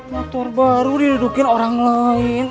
motor baru didudukin orang lain